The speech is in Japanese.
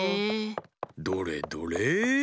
どれどれ？